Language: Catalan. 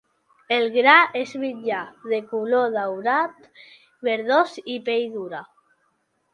El gra és mitjà, de color daurat verdós i pell dura.